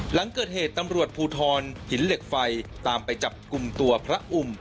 หลังเกิดเหตุตำรวจภูทรหินเหล็กไฟตามไปจับกลุ่มตัวพระอุ่ม